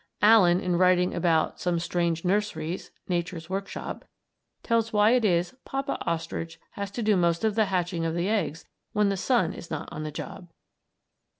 Allen, in writing about "Some Strange Nurseries" ("Nature's Work Shop"), tells why it is Papa Ostrich has most to do with the hatching of the eggs when the sun is not on the job.